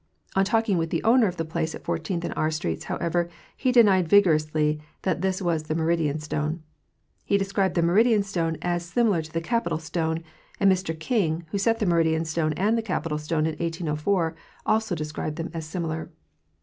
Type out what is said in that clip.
On talking with the owner of the place at Fourteenth and R streets, however, he denied vigorously that this was the Meridian stone. He described the Meridian stone as similar to the Capitol stone; and Mr King, who set the Meridian stone and the Capitol stone in 1804, also describes them as similar.